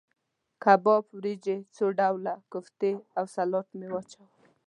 کباب، وریجې، څو ډوله کوفتې او سلاته مې واچول.